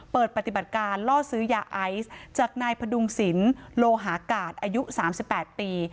เปิดปฏิบัติการล่อซื้อยาไอซ์จากนายพดุงศิลป์โลหากาศอายุ๓๘ปี